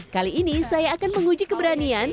kali ini saya akan menguji keberanian